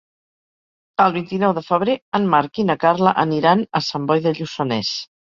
El vint-i-nou de febrer en Marc i na Carla aniran a Sant Boi de Lluçanès.